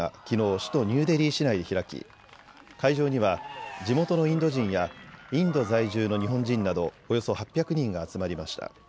首都ニューデリー市内で開き、会場には地元のインド人やインド在住の日本人などおよそ８００人が集まりました。